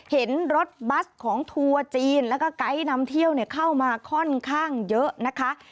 เห็นรถบัสของทัวร์จีนแล้วก็ไกด์นำเที่ยวเข้ามาค่อนข้างเยอะนะคะ